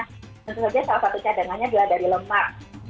tentu saja salah satu cadangannya adalah dari lemak